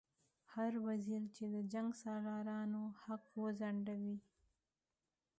هر وزیر چې د جنګسالارانو حق وځنډوي.